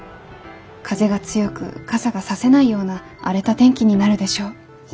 風が強く傘がさせないような荒れた天気になるでしょう。